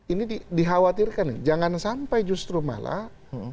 ini dikhawatirkan nih jangan sampai justru malah